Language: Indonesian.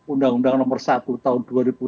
undang undang nomor satu tahun dua ribu dua puluh